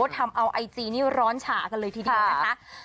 ทำเอาไอจีนี่ร้อนฉากันเลยทีเดียวนะคะ